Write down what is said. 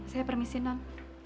saya permisi non